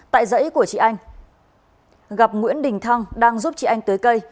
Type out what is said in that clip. tại dãy của chị anh gặp nguyễn đình thăng đang giúp chị anh tưới cây